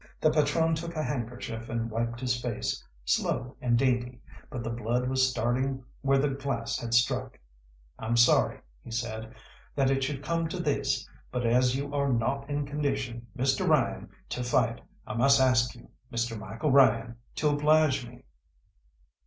The patrone took a handkerchief and wiped his face, slow and dainty, but the blood was starting where the glass had struck. "I'm sorry," he said, "that it should come to this, but as you are not in condition, Mr. Ryan, to fight, I must ask you, Mr. Michael Ryan, to oblige me."